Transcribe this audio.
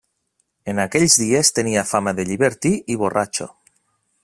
En aquells dies tenia fama de llibertí i borratxo.